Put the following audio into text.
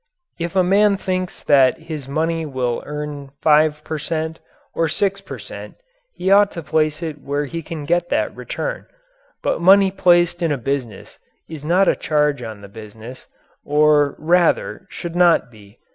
If a man thinks that his money will earn 5 per cent, or 6 per cent, he ought to place it where he can get that return, but money placed in a business is not a charge on the business or, rather, should not be.